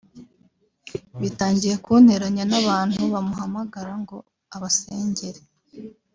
bitangiye kunteranya n’abantu bamuhamagara ngo abasengere